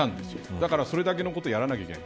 だから、それだけのことをやらないといけない。